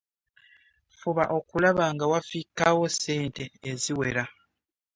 Fuba okulaba nga wafikkawo ssente eziwera.